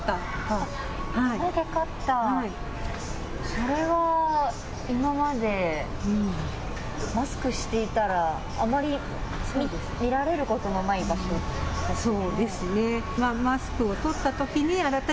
それは今までマスクしていたらあまり見られることのない場所ですよね。